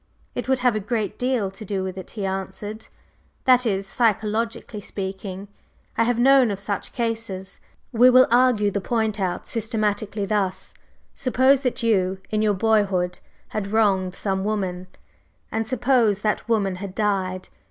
"It would have a great deal to do with it," he answered, "that is, psychologically speaking. I have known of such cases. We will argue the point out systematically thus: Suppose that you, in your boyhood, had wronged some woman, and suppose that woman had died.